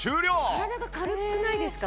体が軽くないですか？